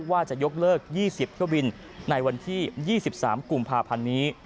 ว่าจะยกเลิก๒๐เที่ยวบินในวันที่๒๓กุมภาพันธ์นี้